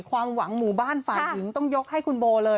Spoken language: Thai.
ความหวังหมู่บ้านฝ่ายหญิงต้องยกให้คุณโบเลย